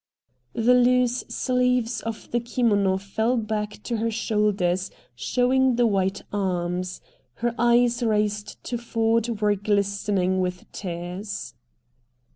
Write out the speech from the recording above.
The loose sleeves of the kimono fell back to her shoulders showing the white arms; the eyes raised to Ford were glistening with tears.